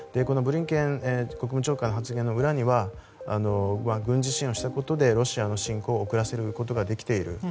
ブリンケン国務長官発言の裏には軍事支援をしたことでロシアの侵攻を遅らせることができている。